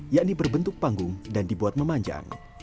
yakni berbentuk panggung dan dibuat memanjang